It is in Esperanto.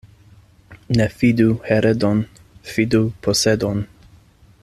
Ne fidu heredon, fidu posedon.